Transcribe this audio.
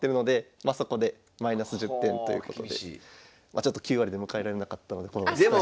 ちょっと９割で迎えられなかったのでこのスタジオに。